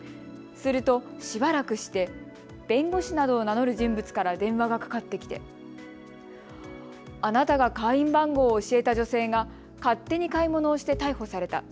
すると、しばらくして弁護士などを名乗る人物から電話がかかってきてあなたが会員番号を教えた女性が勝手に買い物をして逮捕された。